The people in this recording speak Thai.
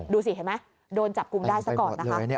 ดูสิเห็นไหมโดนจับกลุ่มได้ซะก่อนนะคะ